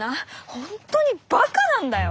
本当にバカなんだよ！